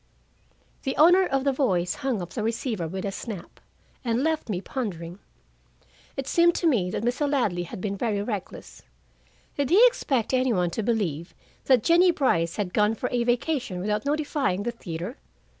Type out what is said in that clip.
The owner of the voice hung up the receiver with a snap, and left me pondering. It seemed to me that Mr. Ladley had been very reckless. Did he expect any one to believe that Jennie Brice had gone for a vacation without notifying the theater?